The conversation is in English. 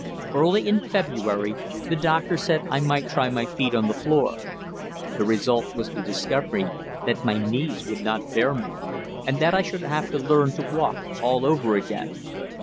Early in February the doctor said I might try my feet on the floor. The result was the discovery that my knees would not bear me, and that I should have to learn to walk all over again.